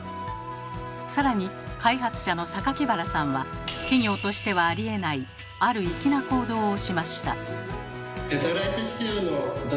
更に開発者の原さんは企業としてはありえないある粋な行動をしました。